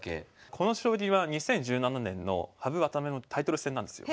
この将棋は２０１７年の羽生渡辺のタイトル戦なんですよ。